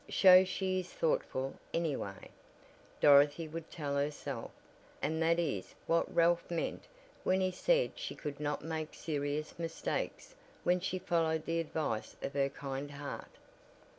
"Shows she is thoughtful, anyway," Dorothy would tell herself, "and that is what Ralph meant when he said she could not make serious mistakes when she followed the advice of her kind heart."